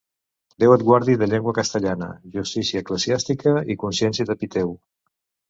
Déu et guardi de llengua castellana, justícia eclesiàstica i consciència de piteu.